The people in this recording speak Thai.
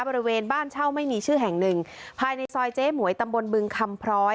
บริเวณบ้านเช่าไม่มีชื่อแห่งหนึ่งภายในซอยเจ๊หมวยตำบลบึงคำพร้อย